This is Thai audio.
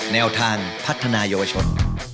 แนวทางพัฒนายาวชน